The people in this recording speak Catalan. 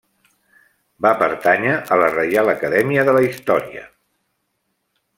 Va pertànyer a la Reial Acadèmia de la Història.